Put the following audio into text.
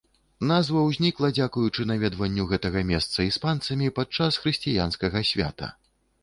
Назва ўзнікла дзякуючы наведванню гэтага месца іспанцамі падчас хрысціянскага свята.